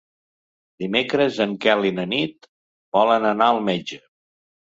Dimecres en Quel i na Nit volen anar al metge.